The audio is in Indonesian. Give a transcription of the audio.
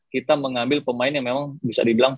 kita mengambil pemain yang memang bisa dibilang